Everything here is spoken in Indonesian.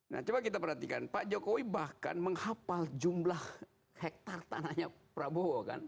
nah coba kita perhatikan pak jokowi bahkan menghapal jumlah hektare tanahnya prabowo kan